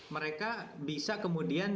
mereka bisa kemudian